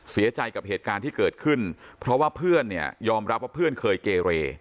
เสียใจกับเหตุการณ์ที่เกิดขึ้นเพราะว่าเพื่อนเนี่ยยอมรับว่าเพื่อนเคยเกเร